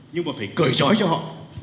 nhưng mà phải cởi trói cho họ